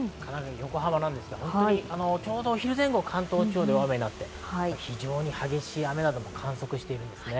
横浜ですが、ちょうどお昼前後、関東地方では雨になって、非常に激しい雨なども観測されました。